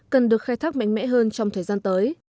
cần được khai thác mạnh mẽ hơn trong thời gian tới